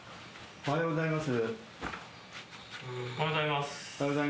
おはようございます。